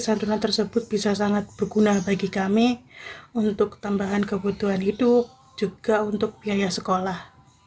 santunan tersebut bisa sangat berguna bagi kami untuk tambahan kebutuhan hidup juga untuk biaya sekolah